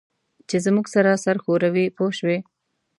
چې زموږ سره سر ښوروي پوه شوې!.